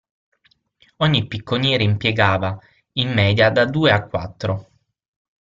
Ogni picconiere impiegava in media da due a quattro.